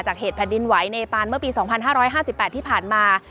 เหตุแผ่นดินไหวเนปานเมื่อปี๒๕๕๘ที่ผ่านมา